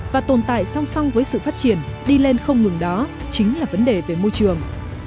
và tồn tại song song với sự phát triển đi lên không ngừng đó chính là vấn đề về môi trường